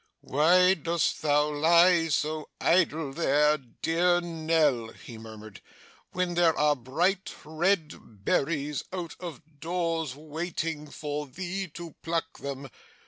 'Why dost thou lie so idle there, dear Nell,' he murmured, 'when there are bright red berries out of doors waiting for thee to pluck them!